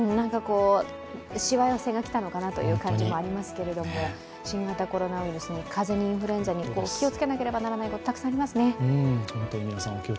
しわ寄せが来たのかなという感じもありますけれども新型コロナウイルスに風邪にインフルエンザに、木をつけなければならないことたくさんありますね。